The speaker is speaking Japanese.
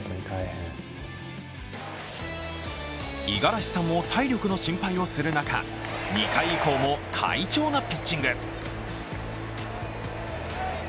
五十嵐さんも体力の心配をする中、２回以降も快調なピッチング。